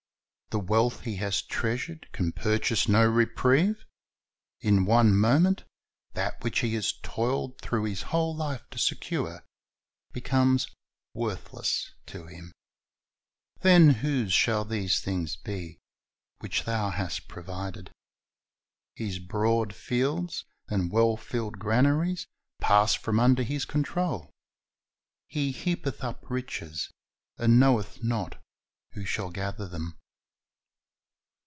The wealth he has treasured can purchase no reprieve. In one moment that which he has toiled through his whole life to secure becomes worthless to him, "Then whose shall those things be which thou hast provided?" His broad fields and well filled granaries pass from under his control. "He heapeth up riches, and knoweth not who shall gather them."